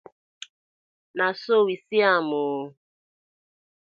Na so we see am oo.